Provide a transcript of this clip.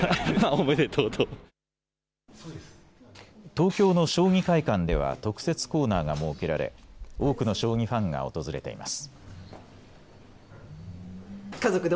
東京の将棋会館では特設コーナーが設けられ多くの将棋ファンが訪れています。